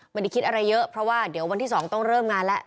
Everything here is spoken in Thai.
ไม่ได้คิดอะไรเยอะเพราะว่าเดี๋ยววันที่๒ต้องเริ่มงานแล้ว